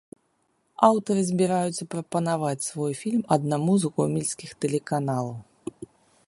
Аўтары збіраюцца прапанаваць свой фільм аднаму з гомельскіх тэлеканалаў.